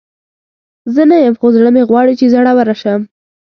زه نه یم، خو زړه مې غواړي چې زړوره شم.